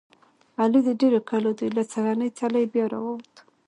علي د ډېرو کلو دی. له سږنۍ څېلې بیا را ووت.